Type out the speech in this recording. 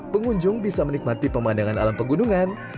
pengunjung bisa menikmati pemandangan alam pegunungan